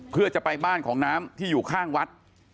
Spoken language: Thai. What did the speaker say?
เพื่อจะไปบ้านของน้ำที่อยู่ข้างวัด